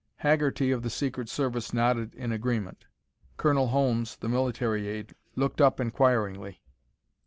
Haggerty of the secret service nodded in agreement. Colonel Holmes, the military aide, looked up inquiringly.